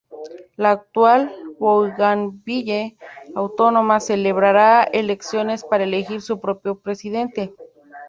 La actual Bougainville autónoma celebrará elecciones para elegir su propio presidente.